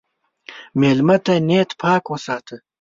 مېلمه ته نیت پاک وساته.